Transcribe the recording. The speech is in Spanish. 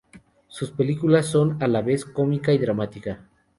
Sus películas son a la vez cómica y dramática.